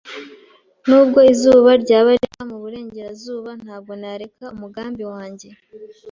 Nubwo izuba ryaba riva mu burengerazuba, ntabwo nareka umugambi wanjye.